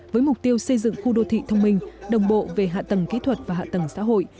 với mục tiêu xây dựng khu đô thị thông minh đồng bộ về hạ tầng kỹ thuật và hạ tầng xã hội